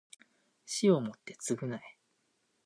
死をもって償え